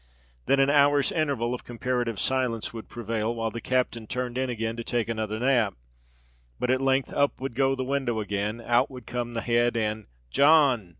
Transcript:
Then an hour's interval of comparative silence would prevail, while the captain turned in again to take another nap; but, at length, up would go the window again—out would come the head—and, "John!